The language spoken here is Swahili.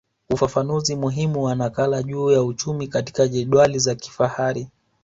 Ufafanuzi muhimu wa nakala juu ya uchumi katika jedwali za kifahari